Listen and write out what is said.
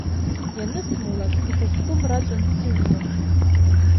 Ианысмулак иҭаҷкәым раҵәан дсыжәлон.